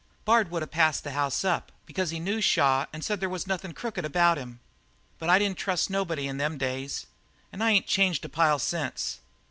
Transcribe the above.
"Bard would of passed the house up, because he knew Shaw and said there wasn't nothin' crooked about him, but I didn't trust nobody in them days and I ain't changed a pile since."